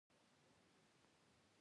ماته یې هم وړاندې کړ.